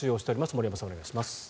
森山さん、お願いします。